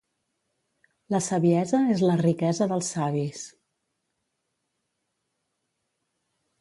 La saviesa és la riquesa dels savis.